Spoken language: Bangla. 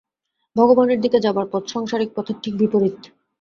ভগবানের দিকে যাবার পথ সাংসারিক পথের ঠিক বিপরীত।